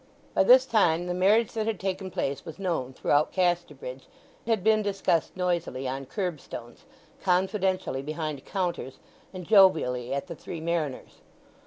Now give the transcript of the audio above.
By this time the marriage that had taken place was known throughout Casterbridge; had been discussed noisily on kerbstones, confidentially behind counters, and jovially at the Three Mariners.